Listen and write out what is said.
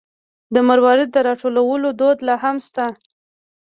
د مروارید د راټولولو دود لا هم شته.